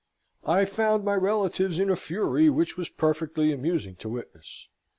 I found my relatives in a fury which was perfectly amusing to witness.